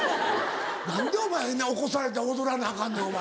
何でお前起こされて踊らなアカンねんお前。